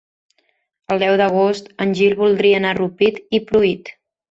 El deu d'agost en Gil voldria anar a Rupit i Pruit.